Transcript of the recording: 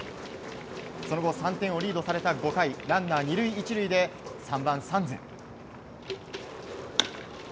その後、３点をリードされた５回ランナー２塁１塁で３番、サンズ。